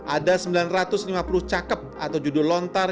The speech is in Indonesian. ada sembilan ratus lima puluh cakep atau judul lontar